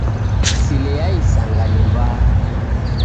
Sile ya isanga ni mbaa